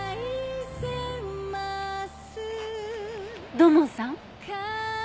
土門さん？